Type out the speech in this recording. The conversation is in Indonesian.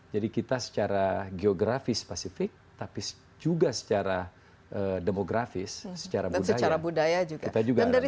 jadi kita secara geografis pasifik tapi juga secara demografis secara budaya juga dan dari